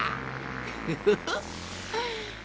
ウフフフ！